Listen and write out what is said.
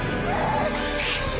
くっ！